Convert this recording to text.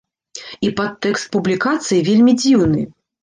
І падтэкст публікацыі вельмі дзіўны.